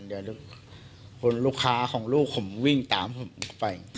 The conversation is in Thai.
เดี๋ยวลูกค้าของลูกผมวิ่งตามผมไป